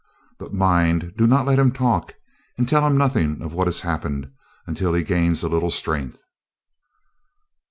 But mind, do not let him talk, and tell him nothing of what has happened, until he gains a little strength."